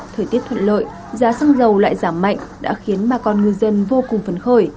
thời tiết thuận lợi giá xăng dầu lại giảm mạnh đã khiến bà con ngư dân vô cùng phấn khởi